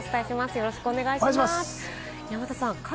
よろしくお願いします。